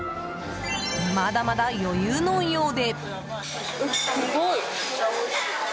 まだまだ余裕のようで。